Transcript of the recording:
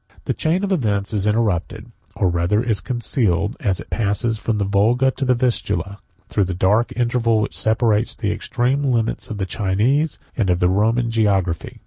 ] The chain of events is interrupted, or rather is concealed, as it passes from the Volga to the Vistula, through the dark interval which separates the extreme limits of the Chinese, and of the Roman, geography.